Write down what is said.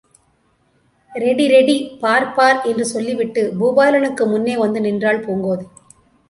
Ready, ready, பார், பார் என்று சொல்லி விட்டுப் பூபாலனுக்கு முன்னே வந்து நின்றாள் பூங்கோதை.